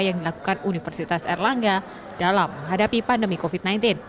yang dilakukan universitas erlangga dalam menghadapi pandemi covid sembilan belas